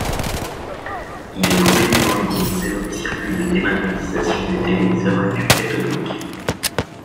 Il est communément utilisé dans les circuits de démagnétisation des téléviseurs à tube cathodique.